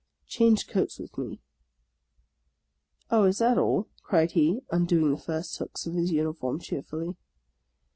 Change coats with me." " Oh, is that all ?" cried he, undoing the first hooks of his uniform cheerfully.